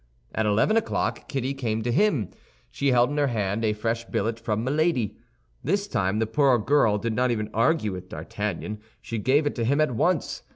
At eleven o'clock Kitty came to him. She held in her hand a fresh billet from Milady. This time the poor girl did not even argue with D'Artagnan; she gave it to him at once.